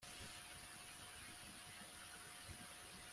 kumusoma umukobwa ahita amukata ahubwo anyicira akajisho